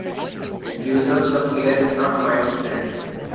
Refusals of care is not widespread.